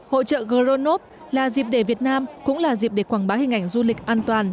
hội trợ gronov là dịp để việt nam cũng là dịp để quảng bá hình ảnh du lịch an toàn